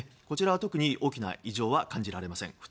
こちらは特に大きな異常は確認されません。